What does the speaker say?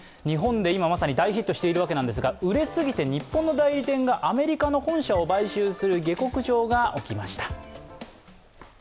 日本で今まさに大ヒットしているわけですが、売れすぎて日本の代理店でアメリカの本社を買収する下剋上が起きました。